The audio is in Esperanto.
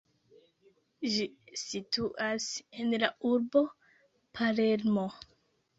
Ĝi situas en la urbo Palermo.